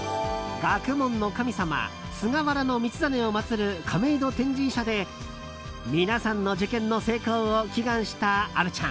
学問の神様・菅原道真を祭る亀戸天神社で皆さんの受験の成功を祈願した虻ちゃん。